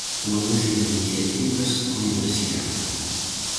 Unha ducia de iniciativas: a universidade.